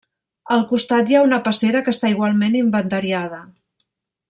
Al costat hi ha una passera que està igualment inventariada.